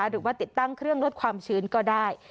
หรือว่าติดตั้งเครื่องลดความชื้นก็ได้